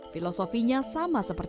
dia bakal mencuri